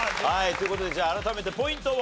という事でじゃあ改めてポイントを。